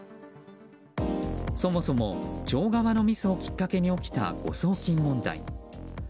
そもそも町側のミスをきっかけに起きた誤送金問題。